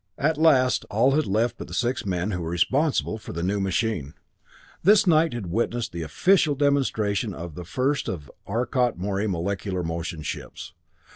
At last all had left but the six men who were responsible for the new machine. This night had witnessed the official demonstration of the first of the Arcot Morey molecular motion ships.